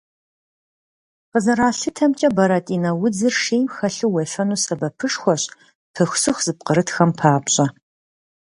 Къызэралъытэмкӏэ, бэрэтӏинэ удзыр шейм хэлъу уефэну сэбэпышхуэщ пыхусыху зыпкърытхэм папщӏэ.